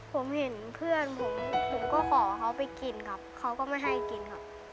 ผมเห็นเพื่อนผมผมก็ขอเขาไปกินครับเขาก็ไม่ให้กินครับ